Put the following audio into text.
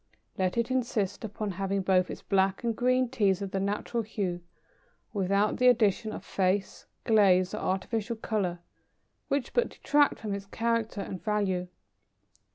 Let it insist upon having both its black and green Teas of the natural hue, without the addition of "face," "glaze," or artificial colour, which but detract from its character and value.